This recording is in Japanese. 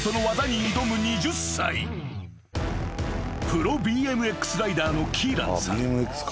［プロＢＭＸライダーのキーランさん］